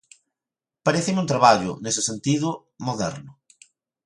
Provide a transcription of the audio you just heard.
Paréceme un traballo, nese sentido, moderno.